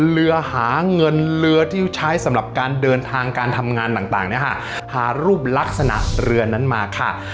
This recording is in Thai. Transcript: เรือหาเงินเรือที่ใช้สำหรับการเดินทางการทำงานต่างเนี่ยค่ะหารูปลักษณะเรือนั้นมาค่ะ